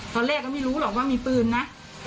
ตอนแรกก็ไม่รู้หรอกว่ามีปืนนะ